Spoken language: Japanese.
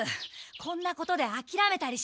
こんなことであきらめたりしないよ。